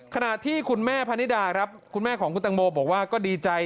ขณะที่คุณแม่พนิดาครับคุณแม่ของคุณตังโมบอกว่าก็ดีใจ